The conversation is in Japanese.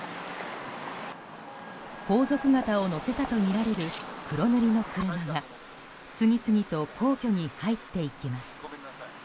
皇族方を乗せたとみられる黒塗りの車が次々と皇居に入っていきます。